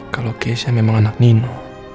kalau keisha memang anak nino